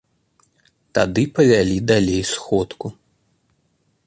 Тады павялі далей сходку.